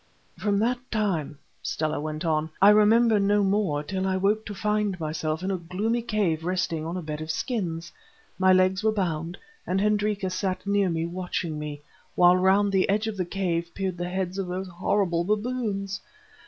"From that time," Stella went on, "I remember no more till I woke to find myself in a gloomy cave resting on a bed of skins. My legs were bound, and Hendrika sat near me watching me, while round the edge of the cave peered the heads of those horrible baboons.